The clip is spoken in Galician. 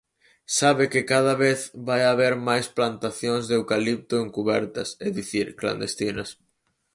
Sabe que cada vez vai haber máis plantacións de eucalipto encubertas, é dicir, clandestinas.